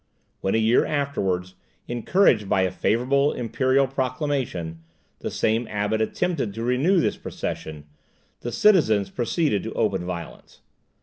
When, a year afterwards, encouraged by a favourable imperial proclamation, the same abbot attempted to renew this procession, the citizens proceeded to open violence.